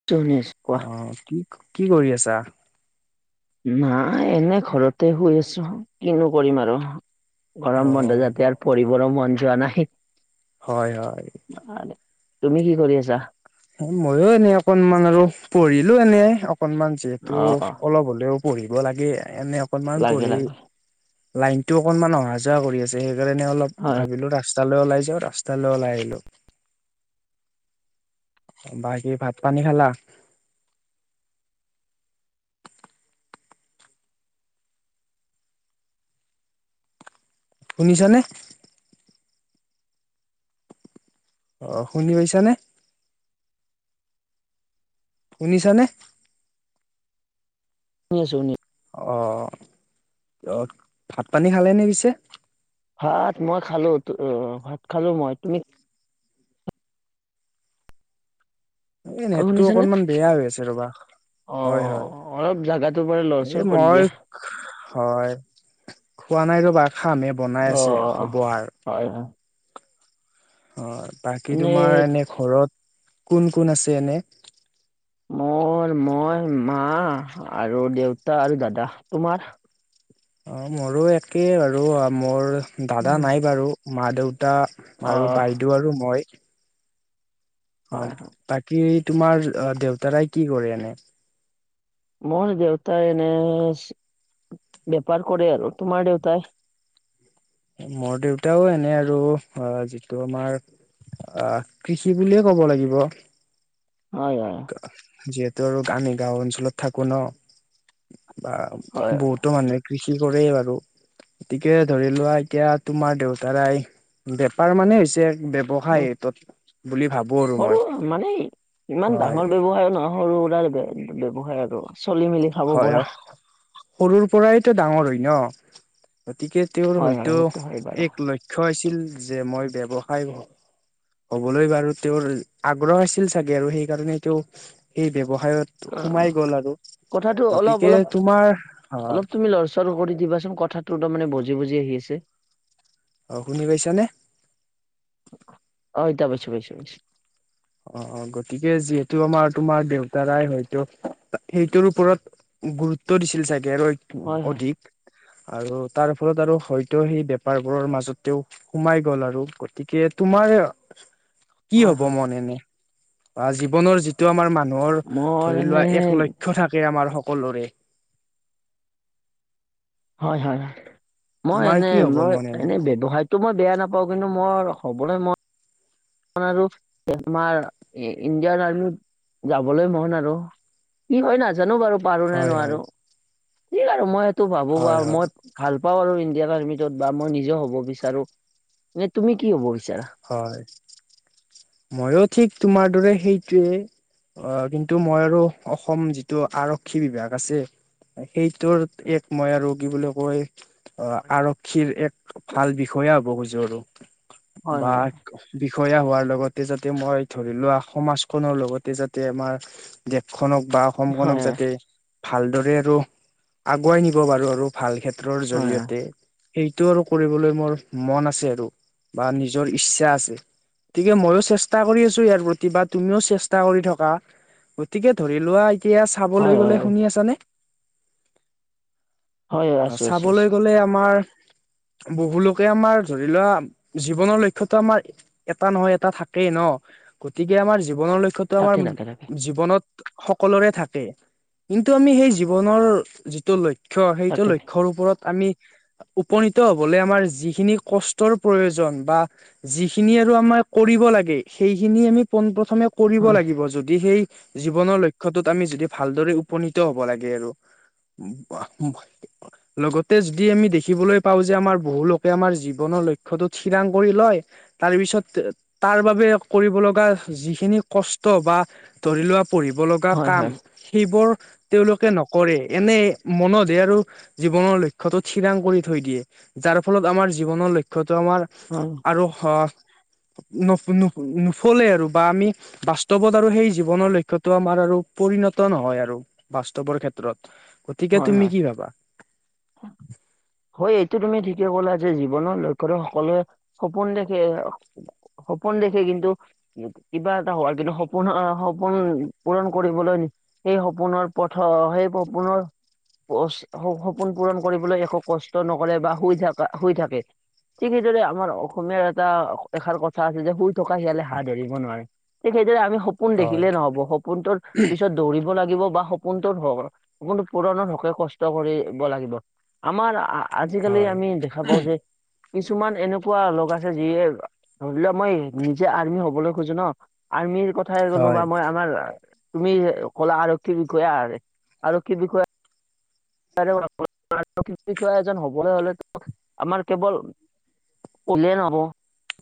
[unintelligible] অ কি কি কৰি আছা। নাই এনে ঘৰতে শুই আছো কিনো কৰিম আৰু অ' গৰম বন্ধ যাতে আৰু পঢ়িবৰো মন যোৱা নাই। হয় হয়। তুমি কি কৰি আছা। মইও এনে অকনমান আৰু পঢ়িলো এনে অকনমান যিহেতু অ অ অলপ হ'লেও পঢ়িব লাগে এনে অকনমান লাগে পঢ়ি লাগে লাইনটো অকনমান অহা যোৱা কৰি আছে সেইকাৰণে অলপ হয় ভাবিলো ৰাস্তা ৰাস্তা লৈ ওলাই যাওঁ ৰাস্তালে ওলাই আহিলো। বাকী ভাত পানী খালা। শুনিছ নে। অ শুনি পাইছা নে। শুনিছানে। শুনি আছোঁ শুনি, অ ভাত পানী খালে নে পিছে। ভাত মই খালো অ ভাত খালো মই তুমি এই অ নেটটো শুনিছানে অকনমান বেয়া হৈ আছে ৰবা। অ হয় হয় অলপ জাগাটোৰ পৰা লৰচৰ এই কৰি মই দিয়া হয় খোৱা নাই ৰবা খামহে। বনাই অ আছে হ'ব আৰু। হয়। অ বাকী এনেই তোমাৰ এনে ঘৰত কোন কোন আছে এনে। মোৰ মই মা আৰু দেউতা আৰু দাদা। তোমাৰ? অ মোৰো একেই বাৰু মোৰ দাদা নাই বাৰু মা দেউতা। অ আৰু বাইদেউ আৰু মই, অ হয় হয় বাকী তোমাৰ দেউতাৰাই কি কৰে এনে, মোৰ দেউতাই নে বেপাৰ কৰে আৰু তোমাৰ দেউতাই। মোৰ দেউতাও এনে আৰু অ যিটো আমাৰ। অ কৃষি বুলিয়ে ক'ব লাগিব। হয় হয়। যিহেতু আৰু আমি গাও অঞ্চলত থাকো ন বা হয় বহুত, হয়। বহুতো মানুহে কৃষি কৰেই বাৰু, গতিকে ধৰি লোৱা এতিয়া তোমাৰ দেউতাৰাই বেপাৰ মানে হৈছে উম ব্যৱসায়টোত বুলি ভাবোঁ আৰু সৰু মই, মানে ইমান হয় ডাঙৰ ব্যৱসায় নহয় সৰু সুৰা ব্যয়ৱসায় আৰু চলি মেলি খাব হয় পৰা। সৰুৰ পৰাইতো ডাঙৰ হয় ন গতিকে তেওঁৰ হয় হয় হয়তো সেইটো হয় বাৰু এক লক্ষ ক্ষ্য আছিল যে মই ব্যৱসায়, হ'বলৈ বাৰু তেওঁৰ আগ্ৰহ আছিল চাগে আৰু সেইকাৰণে তেওঁ এই ব্যৱসায়ত, সোমাই গ'ল আৰু কথাতটো অলপ গতিকে অলপ তোমাৰ হয় অলপ তুমি লৰ চৰ কৰি দিবাচোন কথাটো তাৰ মানে বজি বজি আহি আছে। অ শুনি পাইছা নে অ এতিয়া পাইছো পাইছো পাইছো অ অ গতিকে যিহেতু আমাৰ তোমাৰ দেউতাৰাই হয়তো সেইটোৰ ওপৰত গুৰুত্ব দিছিল চাগে আৰু হয় হয় অধিক আৰু তাৰ ফলত হয়তো সেই বেপাৰবোৰৰ মাজতেও সোমাই গল আৰু গতিকে তোমাৰ কি হয় হ'ব হয় মনে এনে বা জীৱনৰ যি টো আমাৰ মানুহৰ মোৰ ধৰি এনে লোৱা এক লক্ষ্য থাকে আমাৰ সকলোৰে হয় হয় হয় মই তোমাৰ এনে কি হব মই মনে এনে ব্যৱসায়িক টো মই বেয়া নাপাওঁ কিন্তু মোৰ হ'বলৈ মন আৰু আমাৰ ইণ্ডিয়ান আৰ্মিত যাবলৈ মন আৰু কি হয় নাজানো বাৰু পাৰো নে হয় হয় নোৱাৰো কি আৰু মই সেইটো ভাবো হয় বাৰু হয় মই ভাল পাও আৰু ইণ্ডিয়াৰ আৰ্মিতটোত বা মই নিজেও হ'ব বিচাৰো এনে তুমি কি হ'ব বিচাৰা হয় মায়ো ঠিক তোমাৰ দৰে সেইটোৱে অ কিন্তু মই আৰু অসম যিটো আৰক্ষী বিভাগ আছে সেইটোৰ এক মই আৰু কি বুলি কয় অ আৰক্ষীৰ এক ভাল বিষয়াে হ'ব খুজো আৰু হয় বা হয় বিষয়া হোৱাৰ লগতে যাতে মই ধৰি লোৱা সমাজখনৰ লগতে যাতে আমাৰ দেশখনক বা অসমখনক হয় যাতে, ভালদৰে আৰু আগুৱাই নিব পাৰো আৰু ভাল ক্ষেত্ৰ ত্ৰত হয় জৰিয়তে, সেইটো আৰু কৰিবলৈ মোৰ মন আছে আৰু, বা নি নিজৰ ইচ্ছা আছে, গতিকে মইয়ো চেষ্টা কৰি আছো ইয়াৰ প্ৰতি বা তুমিও চেষ্টা কৰি থকা। গতিকে ধৰি লোৱা, এতিয়া হয় চাবলৈ গ'লে, হয় শুনি আছানে? হয় আছো আছো আছো চাবলৈ গলে আমাৰ বহুলোকে আমাৰ ধৰি লোৱা জীৱনৰ লক্ষ্যতো আমাৰ এটা নহয় এটা থাকেই ন গতিকে আমাৰ জীৱনৰ লক্ষ্যত তো তাকে আমাৰ তাকে তাকে জীৱনত সকলোৰে থাকে কিন্তু আমি সেই জীৱনৰ যিটো লক্ষ্ ক্ষ্য সেইটো তাকে লক্ষ্যয়ৰ ওপৰত আমি উপনীত হবলৈ আমাৰ যিখিনি কষ্টৰ প্ৰয়োজন বা যিখিনি আৰু আমাৰ কৰিব লাগে সেইখিনি আমি পোন প্ৰথমে কৰিব হয় লাগিব যদি সেই জীৱনৰ লক্ষ্যটোত আমি যদি ভালদৰে উপনীত হব লাগে আৰু [unintelligible] লগতে যদি আমি দেখিবলৈ পাওঁ যে, আমাৰ বহু লোকে আমাৰ জীৱনৰ লক্ষ্যতো থিৰাং কৰি লয়। তাৰ পিছত, তাৰ বাবে কৰিব লগা যিখিনি কষ্ট বা ধৰি লোৱা, পঢ়িব লগা হয় কাম হয় সেইবোৰ তেওঁলোকে নকৰে, এনে মনতে আৰু জীৱনৰ লক্ষ্যতো থিৰাং কৰি থৈ দিয়ে। যাৰ ফলত আমাৰ, জীৱনৰ লক্ষ্যতো আমাৰ হয় আৰু অহ, নু নু নুফুলে আৰু বা আমি বাস্তৱত আৰু সেই জীৱনৰ লক্ষ্যতো আমাৰ আৰু পৰিণত নহয় আৰু। বাস্তৱৰ ক্ষেত্ৰত। গতিকে তুমি হয়-হয়। কি ভাবা [inaudible] হয়, এইটো তুমি ঠিকে ক'লা যে, জীৱনৰ লক্ষ্যতো সকলোৱে সপোন দেখে। সপোন দেখে কিন্তু কিবা এটা হোৱাৰ কিন্তু সপোন-সপোন পূৰণ কৰিবলৈ সেই সপোনৰ পথৰ, সেই সপোনৰ সপোন পূৰণ কৰিবলৈ একো কষ্ট নকৰে বা শুই থকা, শুই থাকে। ঠিক সেইদৰে আমাৰ অসমীয়াৰ এটা এষাৰ কথা আছে যে, শুই থকা শিয়ালে হাঁহ ধৰিব নোৱাৰে। ঠিক সেইদৰে আমি সপোন হয় দেখিলে নহব। সপোনটোৰ পিছত দৌৰিব লাগিব বা সপোনটো হ সপোন পূৰণৰ হকে কষ্ট কৰিব লাগিব। আমাৰ আজিকালি হয় আমি দেখা পাওঁ যে কিছুমান এনেকুৱা লগ আছে, যিয়ে ধৰি লোৱা মই নিজে আৰ্মি হবলৈ খুজো ন। আৰ্মিৰ কত কথাই কলোঁ হয় বা মই আমাৰ, তুমি ক'লা আৰক্ষী বিষয়াৰ, আৰক্ষী বিষয়া। আৰক্ষী বিষয়া এজন হ'বলৈ হ'লে, আমাৰ কেৱল পঢ়িলে নহ'ব।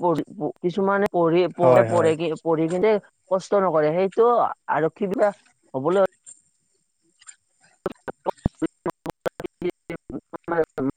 পঢ় প কিছুমানে হয় হয় পঢ়ি-পঢ়ে-পঢ়েকি পঢ়ি কিনে কষ্ট নকৰে। সেইটো আৰক্ষী কিবা হ'বলৈ হ'ল- [unintelligible]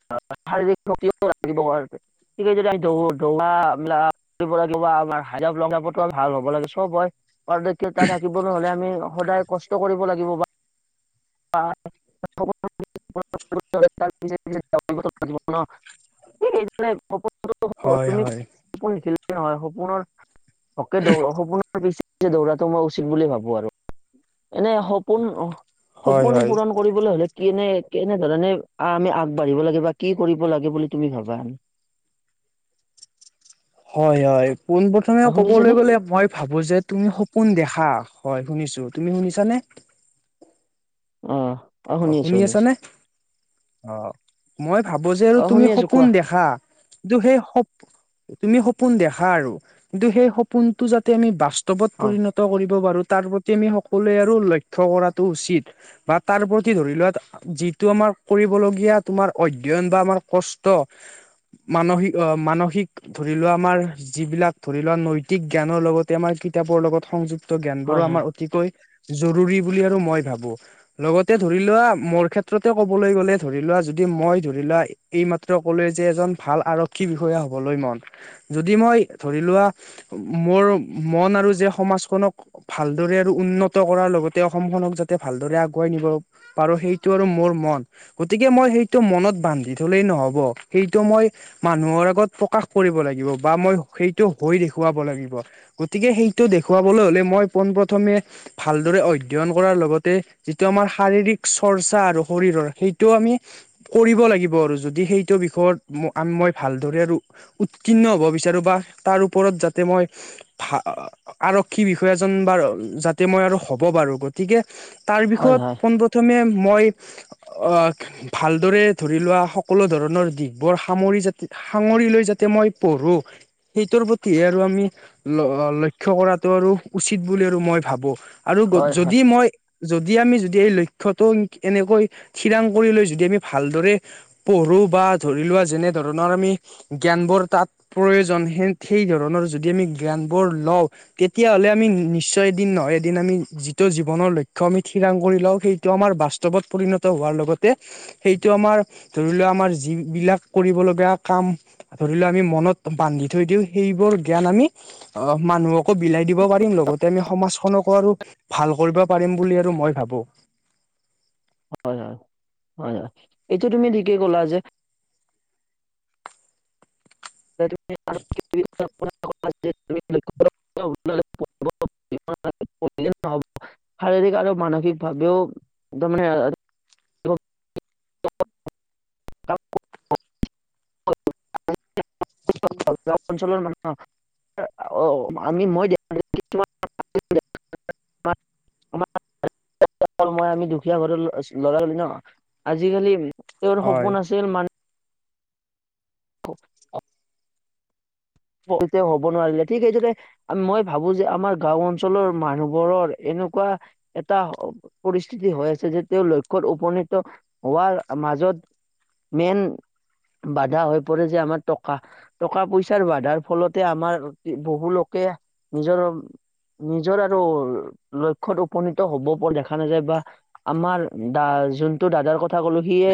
[unintelligible] শাৰীৰিক শক্তিও লাগিব ভালকৈ, ঠিকেই দিলাক দৌৰা বিলাক কিব লাগিব আমাৰ হাইজাপ, লংজাপটো ভাল হ'ব লাগে, চব হয় পাৰদৰ্শতা তাই থাকিব নহ'লে, আমি সদায় কষ্ট কৰিব লাগিব বা [unintelligible] [inaudible] মানে সপোনতো, হয় তুমি হয় সপোন দেখিলে নহয়, সপোনৰ অকে, দৌ সপোনৰ পিছত দৌৰাটো মই উচিত বুলি ভাবো আৰু, এনে সপ- পোন হয় সপোন হয় পূৰণ কৰিবলৈ হ'লে, কেনে কেনেধৰণে আমি আগবাঢ়িব লাগে বা কি কৰিব লাগে বুলি তুমি ভাবা? হয় হয়, পোন প্ৰথমে অ শুনিছেনে ক'বলৈ গ'লে, মই ভাবো যে তুমি সপোন দেখা হয় শুনিছো, তুমি শুনিছানে? অ। অ শুনি আছ নে? অ মই ভাবো যে আৰু অ তুমি শুনি আছো সপোন কোৱা দেখা কিন্তু সেই সপ, তুমি সপোন দেখা আৰু কিন্তু সেই সপোনটো যাতে আমি বাস্ত- ৱত হয় পৰিণত কৰিব পাৰো, তাৰ প্ৰতি আমি সকলোৱে আৰু লক্ষ্য কৰাটো উচিত বা তাৰ প্ৰত- তি ধৰি লোৱা, যিটো আমাৰ কৰিবলগীয়া তোমাৰ অধ্যয়ন বা আমাৰ কষ্ট মানসিক অ, মানসিক ধৰি লোৱা আমাৰ, যিবিলাক ধৰি লোৱা নৈতিক জ্ঞানৰ লগতে, আমাৰ কিতাপৰ লগত সংযু- ত জ্ঞানবোৰো হয় হয় আমাৰ অতিকৈ, জৰুৰী বুলি আৰু মই ভাবো। লগত তে ধৰি লোৱা, মোৰ ক্ষেত্ৰতে ক'বলৈ গ'লে ধৰি লোৱা, যদি মই ধৰি লোৱা এইমাত্ৰ কলোৱে যে এজন ভাল আৰক্ষী বিষয়া হ'বলৈ মন। যদি মই ধৰি লোৱা মোৰ মন আৰু যে সমাজখনক ভালদৰে আৰু উন্নত কৰাৰ লগতে অসমখননক যাতে ভালদৰে আগুৱাই নিব পাৰোঁ সেইটো আৰু মোৰ মন গতিকে মই সেইটো মনত বান্ধি থলেই নহব। সেইটো মই মানুহৰ আগত প্ৰকাশ কৰিব লাগিব বা মই সেইটো হৈ দেখুৱাব লাগিব। গতিকে সেইটো দেখুৱাবলৈ হলে মই পোন প্ৰথমে ভালদৰে অধ্যয়ন কৰাৰ লগতে যিটো আমাৰ শাৰীৰিক চৰ্চা আৰু শৰীৰৰ সেইটোও আমি কৰিব লাগিব আৰু যদি সেইটো বিষয়ত মই ভালদৰে আৰু উত্তীৰ্ণ হ'ব বিচাৰো বা তাৰ ওপৰত যাতে মই ভাল আৰক্ষী বিষয়াজন বাৰু যাতে মই আৰু হ'ব পাৰো গতিকে তাৰ বিষয়ত হয় হয় পোনপ্ৰথমে মই অক- ভালদৰে ধৰি লোৱা সকলো ধৰণৰ দিশবোৰ সামৰি জাতি সাঙৰি লৈ যাতে মই পঢ়ো। সেইটোৰ প্ৰতি আৰু আমি লক্ষ্য কৰাটো আৰু উচিত বুলি আৰু মই ভাবো। আৰু হয় হয় যদি মই যদি আমি যদ- এই লক্ষ্যটো এনেকৈ খিৰাং কৰি লৈ যদি আমি ভালদৰে পঢ়ো বা ধৰি লোৱা যেনে ধৰণৰ আমি জ্ঞানবোৰ তাত প্ৰয়োজন সেন ঠেই ধৰণৰ যদি আমি জ্ঞান বোৰ লওঁ তেতিয়াহলে আমি নিশ্চয় এদিন নহয় এদিন আমি যিটো জীৱনৰ লক্ষ্য আমি থিৰাং কৰি লও সেইটো আমাৰ বাস্তৱত পৰিণত হোৱাৰ লগতে সেইটো আমাৰ ধৰি লোৱা আমাৰ যিবিলাক কৰিব লগীয়া কাম ধৰিলেও আমি মনত বান্ধি থৈ দিওঁ সেইবোৰ জ্ঞান আমি অ মানুহকো বিলাই দিব পাৰিম লগতে আমি সমাজখনকো আৰু ভাল কৰিব পাৰিম বুলি আৰু মই ভাবো। হয় হয় হয় হয় এইটোয়া তুমি দিকেই ক'লা যে [unintelligible] শাৰীৰিক আৰু মানসিকভাৱেও তমানে [unintelligible] [unintelligible] গাঁৱৰ অঞ্চলৰ মানুহ। অ অ আমি মই। [unintelligible] অ মম [unintelligible] ল মই আমি দুখীয়া ঘৰত লৰা ন আজিকালি তেওঁৰ হয় সপোন আছিল মানুহ [unintelligible] অ অ। হ'ব নোৱাৰিলে ঠিকেই সেইদৰে মই ভাবো যে আমাৰ গাও অঞ্চলৰ মানুহবোৰৰ এনেকুৱা এটা পৰিস্থিতি হৈ আছে যে তেওঁ লক্ষ্য়ত উপনীত হোৱাৰ মাজত মেইন বাধা হৈ পৰে যে আমাৰ টকা টকা পইচাৰ বাধা যাৰ ফলতে আমাৰ বহু লোকে নিজৰ নিজৰ আৰু লক্ষ্যত উপনীত হব পৰা দেখা নাযায় বা আমাৰ দা যোনটো দাদাৰ কথা ক'লো সিয়ে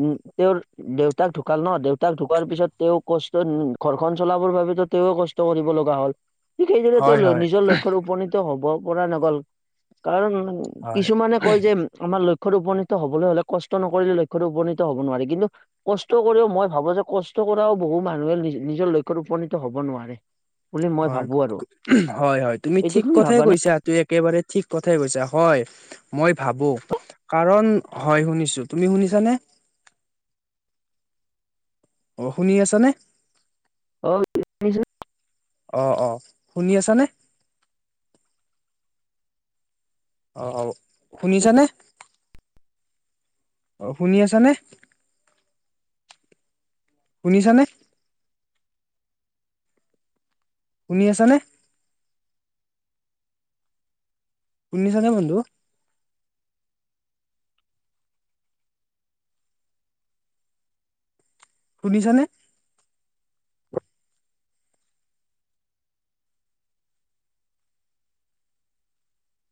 উম তেওঁৰ দেউতাক ঢুকাল ন দেউতাক ঢুকোৱাৰ পিছত তেওঁ কষ্টত ঘৰখন চলাবৰ বাবে তেওঁ কষ্ট কৰিব লগা হ'ল ঠিক সেইদৰে তেওঁ হয় নিজৰ লক্ষ্যত উপনীত হ'ব পৰা নগ'ল কাৰণ হয়। কিছুমানে কয় যে আমাৰ লক্ষ্যত উপনীত হবলৈ হলে কষ্ট নকৰিলে লক্ষ্যত উপনীত হব নোৱাৰে কিন্তু কষ্ট কৰিও মই ভাবো যে কষ্ট কৰাও বহু মানুহে নিজৰ লক্ষ্ত উপনীত হব নোৱাৰে। বুলি মই হয় ভাবো আৰু হয় হয় তুমি এইটো ঠিক কথাই ভাবানে কৈছা। ত একেবাৰে ঠিক কথাই কৈছা হয় মই ভাবো কাৰণ হয় শুনিছো তুমি শুনিছানে? অ শুনি আছা নে? অ। শুনিছানে? অঁ অঁ শুনি আছানে? অঁ অঁ শুনিছা নে? অঁ শুনি আছা নে? শুনিছানে? শুনি আছা নে? শুনিছানে বন্ধু? শুনিছানে?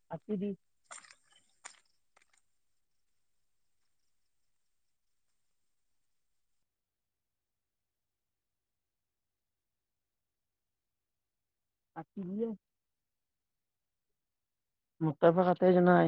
কাটি দি- কাটি দিলে- মোৰ তাৰপৰা কাটাই নাই।